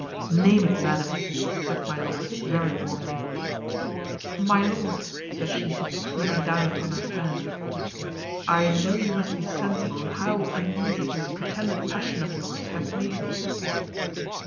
"Name it, madam," said my lord, very warmly. "My lord," says she, looking down upon her fan, "I know you must be sensible how uneasy this pretended passion of yours hath made me."